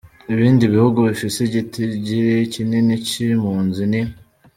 Ibindi bihugu bifise igitigiri kinini c’impunzi ni: .